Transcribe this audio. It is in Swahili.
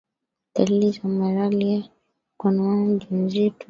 dalili za maralia kwa mama mjamzito